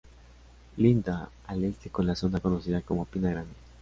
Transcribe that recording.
Linda al este con la zona conocida como Pina Grande.